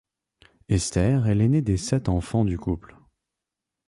Esther est l'aînée des sept enfants du couple.